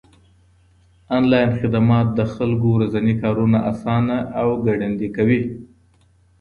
انلاين خدمات د خلکو ورځني کارونه آسانه او ګړندي کوي.